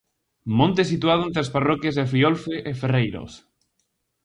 Monte situado entre as parroquias de Friolfe e Ferreiros.